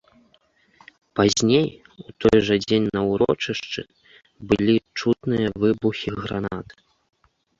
Пазней, у той жа дзень на ўрочышчы былі чутныя выбухі гранат.